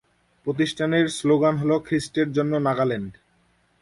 প্রতিষ্ঠানের স্লোগান হল "খ্রিস্টের জন্য নাগাল্যান্ড"।